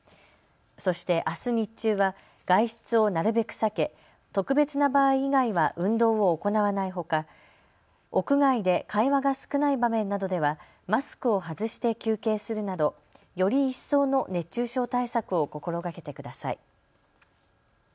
そして、あす日中は外出をなるべく避け、特別な場合以外は運動を行わないほか、屋外で会話が少ない場面などではマスクを外して休憩するなどより一層の熱中症対策を心がけてください。